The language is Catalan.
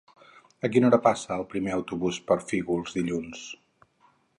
A quina hora passa el primer autobús per Fígols dilluns?